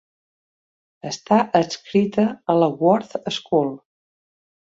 Està adscrita a la Worth School.